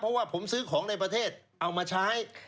เพราะว่าผมซื้อของในประเทศเอามาใช้